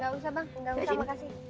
gak usah bang nggak usah makasih